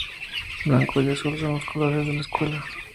Blanco y azul son los colores de la escuela.